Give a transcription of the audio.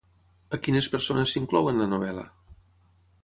A quines persones s'inclou en la novel·la?